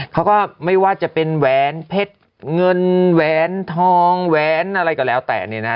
เขาก็ไม่ว่าจะเป็นแหวนเพชรเงินแหวนทองแหวนอะไรก็แล้วแต่เนี่ยนะ